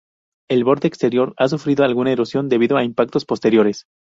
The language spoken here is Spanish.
El borde exterior ha sufrido alguna erosión debido a impactos posteriores.